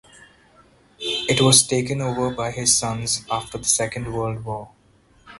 It was taken over by his sons after the Second World War.